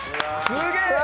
すげえ！